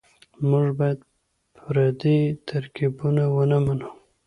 موږ بايد پردي ترکيبونه ونه منو.